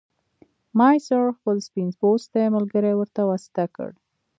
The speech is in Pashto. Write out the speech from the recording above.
ماسیر خپل سپین پوستی ملګری ورته واسطه کړ.